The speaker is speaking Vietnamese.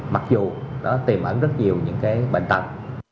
mặc dù tìm ẩn rất nhiều bệnh tật